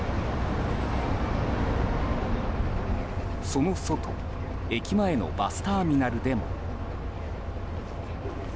その外駅前のバスターミナルでも。